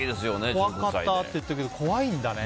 怖かったって言ってたけど怖いんだね。